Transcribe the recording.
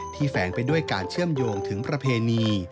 แฝงไปด้วยการเชื่อมโยงถึงประเพณี